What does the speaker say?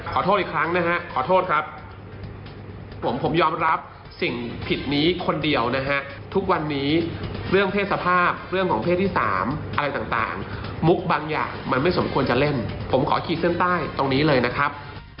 ขอโทษอีกครั้งนะฮะขอโทษครับผมผมยอมรับสิ่งผิดนี้คนเดียวนะฮะทุกวันนี้เรื่องเพศสภาพเรื่องของเพศที่๓อะไรต่างมุกบางอย่างมันไม่สมควรจะเล่นผมขอขีดเส้นใต้ตรงนี้เลยนะครับ